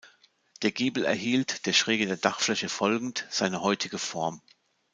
Der Giebel erhielt, der Schräge der Dachfläche folgend, seine heutige Form.